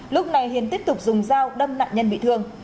lúc này hiền tiếp tục dùng dao đâm nạn nhân bị thương